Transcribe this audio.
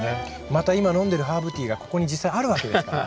また今飲んでるハーブティーがここに実際あるわけですから。